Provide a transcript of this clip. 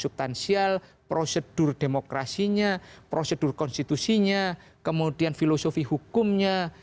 subtansial prosedur demokrasinya prosedur konstitusinya kemudian filosofi hukumnya